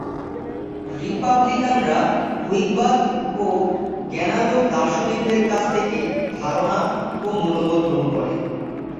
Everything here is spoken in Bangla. রিপাবলিকানরা হুইগবাদ ও জ্ঞানালোক দার্শনিকদের কাছ থেকে ধারণা ও মূল্যবোধ গ্রহণ করে।